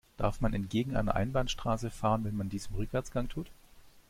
Darf man entgegen einer Einbahnstraße fahren, wenn man dies im Rückwärtsgang tut?